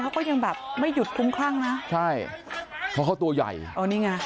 เขาก็ยังแบบไม่หยุดคุ้มคลั่งนะใช่เพราะเขาตัวใหญ่อ๋อนี่ไง